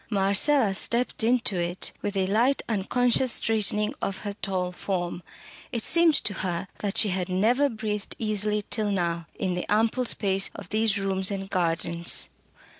Marcella stepped into it with a slight unconscious straightening of her tall form. It seemed to her that she had never breathed easily till now, in the ample space of these rooms and gardens.